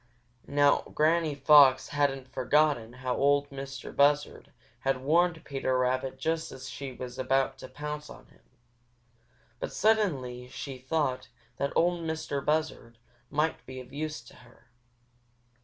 Now Granny Fox hadn't forgotten how Ol' Mistah Buzzard had warned Peter Rabbit just as she was about to pounce on him, but she suddenly thought that Ol' Mistah Buzzard might be of use to her.